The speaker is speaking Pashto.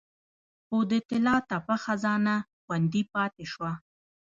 خو د طلا تپه خزانه خوندي پاتې شوه